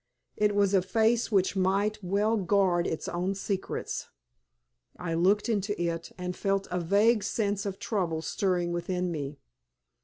It was a face which might well guard its own secrets. I looked into it, and felt a vague sense of trouble stirring within me.